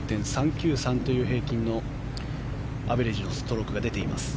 ４．３９３という平均のアベレージのストロークが出ています。